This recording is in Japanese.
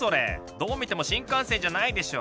どう見ても新幹線じゃないでしょ！